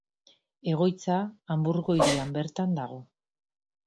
Egoitza Hanburgo hirian bertan dago.